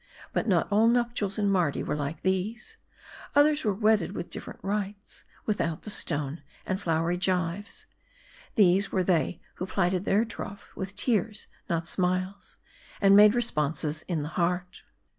But not all nuptials in Mardi were like these. Others were wedded with different rites ; without the stone and flowery gyves. These were they who plighted their troth with tears not smiles, and made responses in the heart.